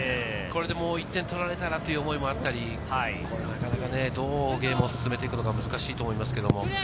これで、もう１点取られたらという思いもあるし、なかなかどうゲームを進めていくのか難しいと思います。